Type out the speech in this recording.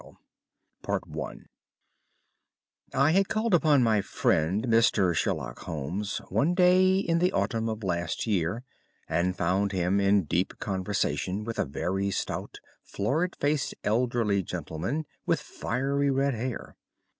THE RED HEADED LEAGUE I had called upon my friend, Mr. Sherlock Holmes, one day in the autumn of last year and found him in deep conversation with a very stout, florid faced, elderly gentleman with fiery red hair.